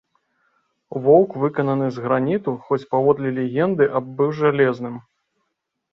Воўк выкананы з граніту, хоць паводле легенды аб быў жалезным.